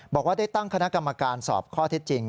บอกว่าได้ตั้งคณะกรรมการสอบข้อเท็จจริง